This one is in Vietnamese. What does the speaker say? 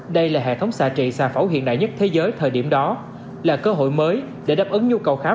đây là hệ thống xạ trị xà phòng hiện đại nhất thế giới thời điểm đó là cơ hội mới để đáp ứng nhu cầu khám